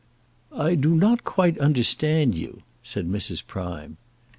"I do not quite understand you," said Mrs. Prime.